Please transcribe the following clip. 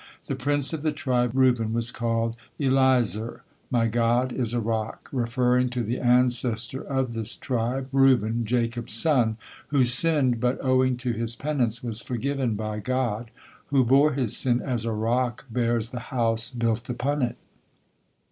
The prince of the tribe Reuben was called Elizur, "my God is a rock," referring to the ancestor of this tribe, Reuben, Jacob's son, who sinned, but, owing to his penance, was forgiven by God, who bore his sin as a rock bears the house built upon it.